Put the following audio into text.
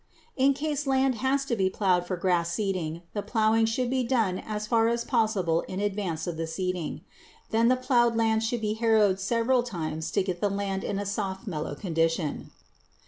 In case land has to be plowed for grass seeding, the plowing should be done as far as possible in advance of the seeding. Then the plowed land should be harrowed several times to get the land in a soft, mellow condition.